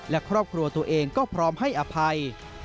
และครอบครัวตัวเองก็พร้อมให้อภัย